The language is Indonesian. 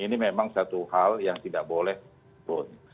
ini memang satu hal yang tidak boleh pun